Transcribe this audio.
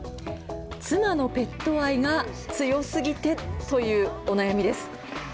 妻のペット愛が強すぎてという、お悩みです。